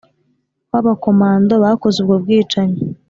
w'aba komando bakoze ubwo bwicanyi